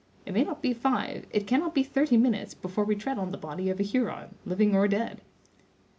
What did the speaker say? It may not be five, it cannot be thirty minutes, before we tread on the body of a Huron, living or dead."